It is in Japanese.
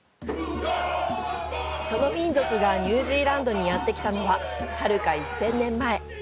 その民族がニュージーランドにやってきたのははるか１０００年前。